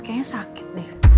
kayaknya sakit deh